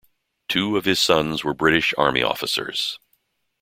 Two of his sons were British Army officers.